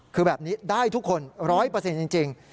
คือแบบนี้ได้ทุกคน๑๐๐จริง